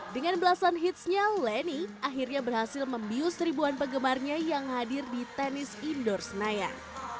dengan belasan hitsnya leni akhirnya berhasil membius ribuan penggemarnya yang hadir di tenis indoor senayan